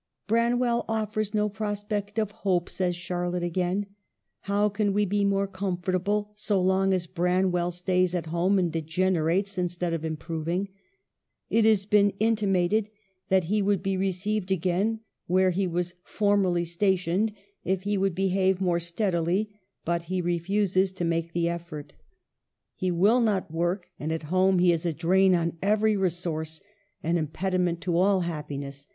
" Branwell offers no prospect of hope," says Char lotte, again. " How can we be more comfortable so long as Branwell stays at home and degener ates instead of improving ? It has been inti mated that he would be received again where he was formerly stationed if he would behave more steadily, but he refuses to make the effort. He 1 Mrs. Gaskell. l66 EMILY BRONTE. will not work, and at home he is a drain on every resource, an impediment to all happiness.